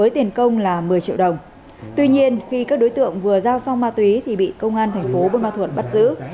tuy nhiên khi các đối tượng vừa giao xong ma túy thì bị công an thành phố bôn ma thuột bắt giữ